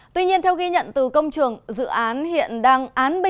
tuy nhiên theo ghi nhận từ công trường dự án hiện đang án bt